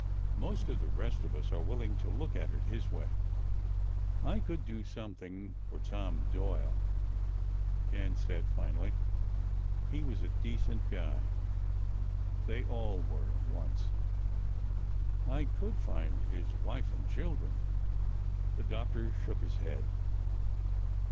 Most of the rest of us are willing to look at it his way." "I could do something for Tom Doyle," Ken said finally. "He was a decent guy. They all were, once. I could find his wife and children." The doctor shook his head.